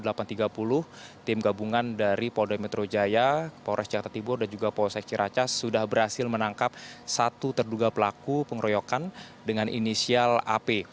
bahwa pengeroyokan dari polres jakarta tibur dan juga mapolsek ciracas sudah berhasil menangkap satu terduga pelaku pengeroyokan dengan inisial ap